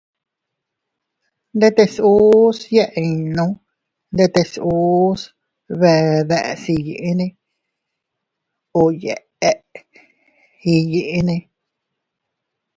Ndetes uus yaa innu ndetes bee deʼes iyyinne o yeʼe iyinne.